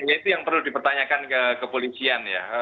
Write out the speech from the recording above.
ya itu yang perlu dipertanyakan ke kepolisian ya